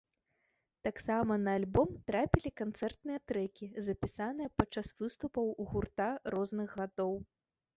Таксама на альбом трапілі канцэртныя трэкі, запісаныя пад час выступаў гурта розных гадоў.